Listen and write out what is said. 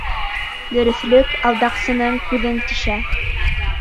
Дөрөҫлөк алдаҡсының күҙен тишә.